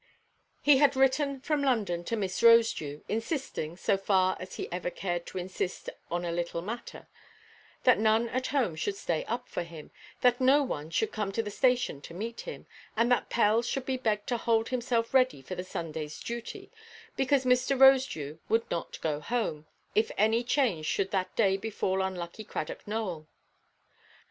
He had written from London to Miss Rosedew, insisting, so far as he ever cared to insist on a little matter, that none at home should stay up for him, that no one should come to the station to meet him, and that Pell should be begged to hold himself ready for the Sundayʼs duty, because Mr. Rosedew would not go home, if any change should that day befall unlucky Cradock Nowell.